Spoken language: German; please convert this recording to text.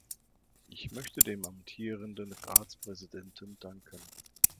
Ich möchte dem amtierenden Ratspräsidenten danken.